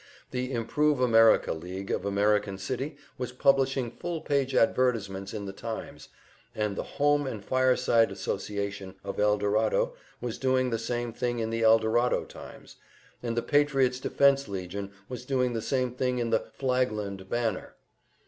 The "Improve America League" of American City was publishing full page advertisements in the "Times," and the "Home and Fireside Association" of Eldorado was doing the same thing in the Eldorado "Times," and the "Patriot's Defense Legion" was doing the same thing in the Flagland "Banner."